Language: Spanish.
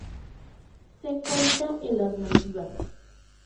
Se encuentra en las Maldivas.